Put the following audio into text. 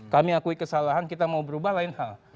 kami akui kesalahan kita mau berubah lain hal